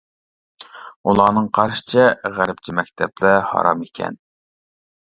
ئۇلارنىڭ قارىشىچە غەربچە مەكتەپلەر ھارام ئىكەن.